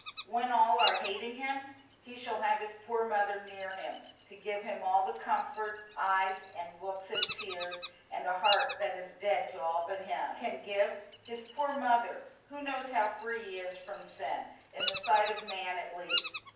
When all are hating him, he shall have his poor mother near him, to give him all the comfort, eyes, and looks, and tears, and a heart that is dead to all but him, can give; his poor old mother, who knows how free he is from sin in the sight of man at least.